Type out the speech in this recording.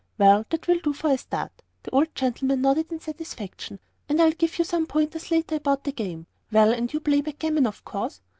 "Well, that will do for a start," the old gentleman nodded in satisfaction. "And I'll give you some points later on about the game. Well, and you play backgammon, of course."